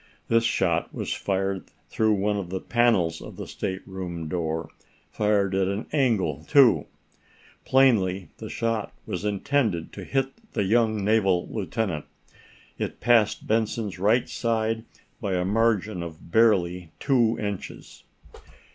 This shot was fired through one of the panels of the stateroom door fired at an angle, too. Plainly the shot was intended to hit the young naval lieutenant. It passed Benson's right side by a margin of barely two inches.